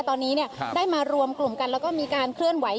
ตอนนี้ได้มารวมกลุ่มกันแล้วก็มีการเคลื่อนไหว